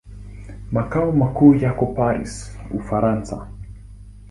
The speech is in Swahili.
Makao makuu yako Paris, Ufaransa.